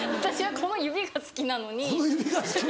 この指が好きなのに？